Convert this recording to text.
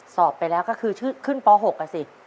สอบไปแล้วก็คือขึ้นป๖อ่ะสิ